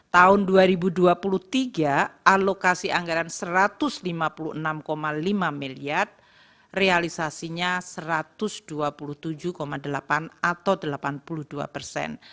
tahun dua ribu dua puluh tiga alokasi anggaran satu ratus lima puluh enam lima miliar realisasinya satu ratus dua puluh tujuh delapan atau delapan puluh dua persen